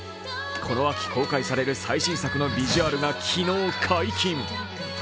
この秋公開される最新作のビジュアルが昨日、解禁。